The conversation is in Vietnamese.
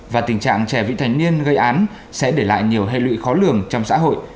và tình trạng trẻ vị thành niên gây án sẽ để lại nhiều hệ lụy khó lường trong xã hội